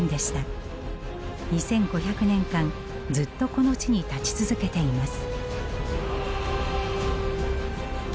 ２，５００年間ずっとこの地に立ち続けています。